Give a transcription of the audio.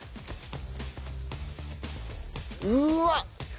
うわっ！